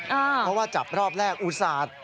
เพราะว่าจับรอบแรกอุตส่าห์